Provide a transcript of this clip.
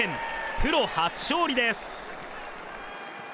プロ初勝利です。